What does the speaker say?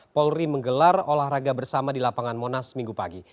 polri menggelar olahraga bersama di lapangan monas minggu pagi